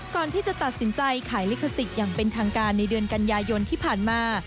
ก่อนที่จะตัดสินใจขายลิขสิทธิ์อย่างเป็นทางการในเดือนกันยายนที่ผ่านมา